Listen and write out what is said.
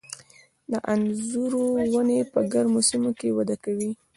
د انځرو ونې په ګرمو سیمو کې وده کوي.